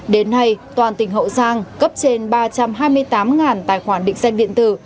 đến nay toàn tỉnh hậu giang cấp trên ba trăm hai mươi tám tài khoản định danh điện tử